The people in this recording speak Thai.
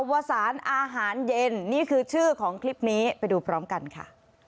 วสารอาหารเย็นนี่คือชื่อของคลิปนี้ไปดูพร้อมกันค่ะ